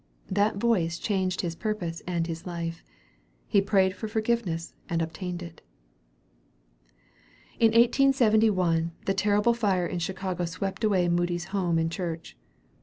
That voice changed his purpose and his life. He prayed for forgiveness and obtained it. In 1871, the terrible fire in Chicago swept away Moody's home and church.